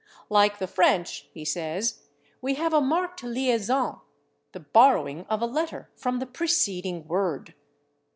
"Like the French," he says, "we have a marked /liaison/ the borrowing of a letter from the preceding word.